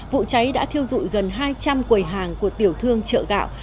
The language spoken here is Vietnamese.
vụ cháy đã thiêu dụi gần hai trăm linh quầy hàng của tiểu thương chợ gạo